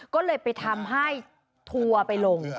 ก็เลยไปทำให้ทัวร์ไปลง